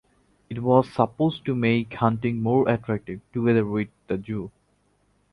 It was supposed to make hunting more attractive (together with the zoo).